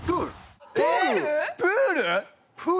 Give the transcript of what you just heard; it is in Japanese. プール？